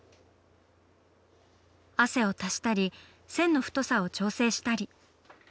汗を足したり線の太さを調整したり。